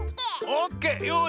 オッケー。